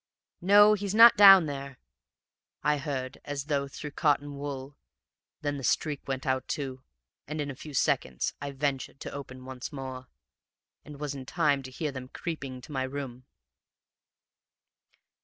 "'No, he's not down THERE,' I heard, as though through cotton wool; then the streak went out too, and in a few seconds I ventured to open once more, and was in time to hear them creeping to my room.